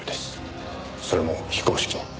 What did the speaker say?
それも非公式に。